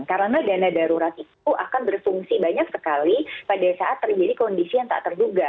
karena dana darurat itu akan berfungsi banyak sekali pada saat terjadi kondisi yang tak terduga